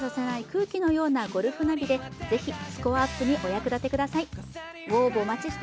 空気のようなゴルフナビでぜひスコアアップにお役立てください。